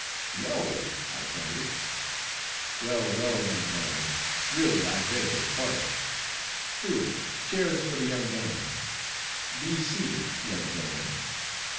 "No!" thundered I. "Well, well, young gentleman, really I beg your pardon. Steward, chairs for the young gentlemen—be seated, young gentlemen.